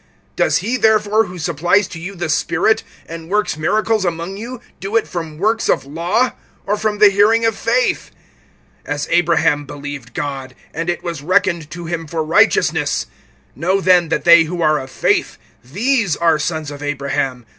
(5)Does he, therefore, who supplies to you the Spirit, and works miracles among you[3:5], do it from works of law, or from the hearing of faith? (6)As Abraham believed God, and it was reckoned to him for righteousness. (7)Know then that they who are of faith, these are sons of Abraham.